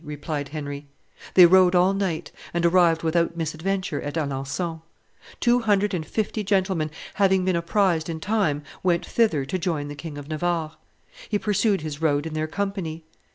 replied Henry. They rode all night, and arrived without misadventure at Alencon. Two hundred and fifty gentlemen, having been apprised in time, went thither to join the King of Navarre. He pursued his road in their company.